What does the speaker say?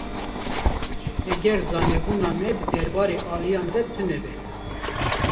Heger zanebûna me di derbarê aliyan de tune be.